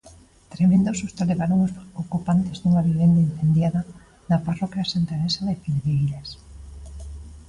Tremendo susto levaron os ocupantes dunha vivenda incendiada na parroquia santiaguesa de Filgueiras.